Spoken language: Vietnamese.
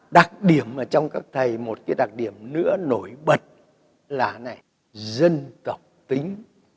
đặc điểm trong các thầy một cái đặc điểm nữa nổi bật là dân tộc tính